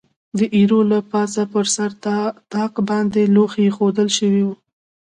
د ایرو له پاسه پر سر طاق باندې لوښي اېښوول شوي و.